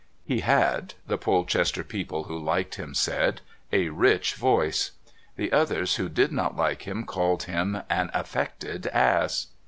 He had, the Polchester people who liked him said, "a rich voice." The others who did not like him called him "an affected ass."